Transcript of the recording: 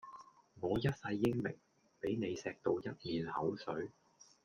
我一世英名，俾你鍚到一面口水